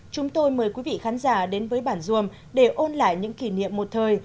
chúng tôi mời quý vị khán giả đến với bản duồm để ôn lại những kỷ niệm một thời